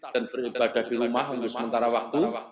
dan beribadah di rumah untuk sementara waktu